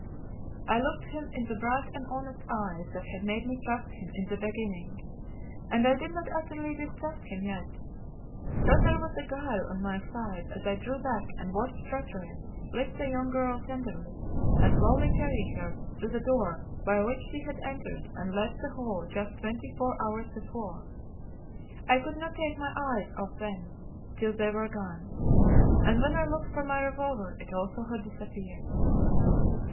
I looked him in the bright and honest eyes that had made me trust him in the beginning. And I did not utterly distrust him yet. Rather was the guile on my side as I drew back and watched Rattray lift the young girl tenderly, and slowly carry her to the door by which she had entered and left the hall just twenty four hours before. I could not take my eyes off them till they were gone. And when I looked for my revolver, it also had disappeared.